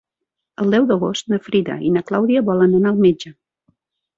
El deu d'agost na Frida i na Clàudia volen anar al metge.